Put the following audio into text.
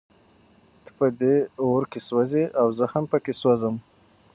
ته په دې اور کې سوزې او زه هم پکې سوزم.